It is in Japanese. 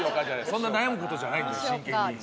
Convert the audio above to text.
そんな悩むことじゃないんだ真剣に。